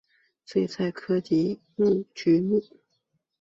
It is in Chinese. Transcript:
睡菜科及菊目。